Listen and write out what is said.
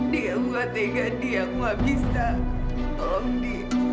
di aku gak tega di aku gak bisa tolong di